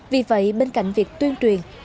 vì vậy bên cạnh việc tuyên truyền